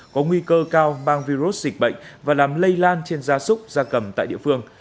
có nguy cơ cao mang virus dịch bệnh và làm lây lan trên gia súc gia cầm tại địa phương